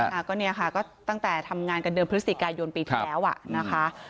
อ่าก็เนี่ยค่ะก็ตั้งแต่ทำงานกันเดือนพฤศจิกายนปีที่แล้วอ่ะนะคะ